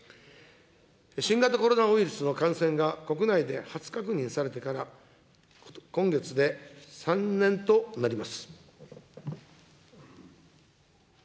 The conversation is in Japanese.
新型コロナウイルスの感染が国内で初確認されてから今月で３年となります。